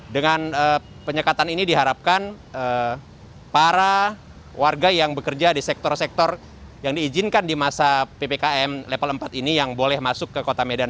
dengan penyekatan ini diharapkan para warga yang bekerja di sektor sektor yang diizinkan di masa ppkm level empat ini yang boleh masuk ke kota medan